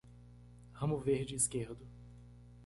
Ramo verde esquerdo